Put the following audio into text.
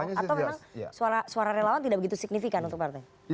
atau memang suara relawan tidak begitu signifikan untuk partai